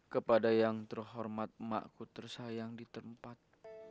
kepada yang terhormat makku tersayang di tempat